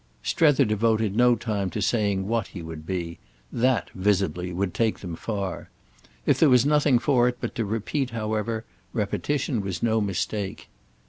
Strether devoted no time to saying what he would be; that, visibly, would take them far. If there was nothing for it but to repeat, however, repetition was no mistake.